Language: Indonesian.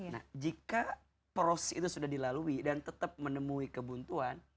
nah jika proses itu sudah dilalui dan tetap menemui kebuntuan